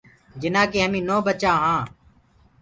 جنآ ڪآ هميٚ نو ٻچآ هآنٚ۔